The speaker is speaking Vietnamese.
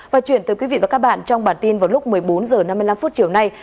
và chuyển tới quý vị và các bạn trong bản tin vào lúc một mươi bốn h năm mươi năm chiều nay